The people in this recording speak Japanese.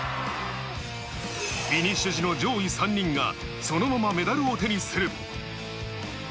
フィニッシュ時の上位３人がそのままメダルを手にする。